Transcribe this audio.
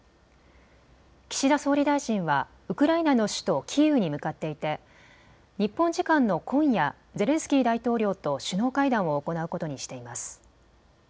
岸田総理大臣はウクライナの首都キーウに向かっていて日本時間の今夜、ゼレンスキー大統領と首脳会談を行うことにしています。